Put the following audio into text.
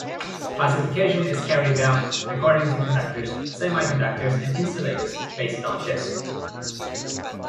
Classification is carried out according to conductors, semi-conductors and insulators based on this.